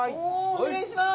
お願いします。